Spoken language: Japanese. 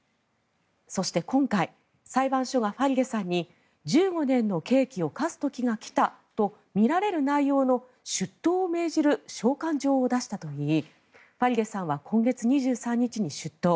そして今回、裁判所がファリデさんに１５年の刑期を科す時が来たとみられる内容の出頭を命じる召喚状を出したといいファリデさんは今月２３日に出頭。